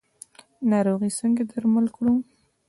ناروغي څنګه درمل کړو؟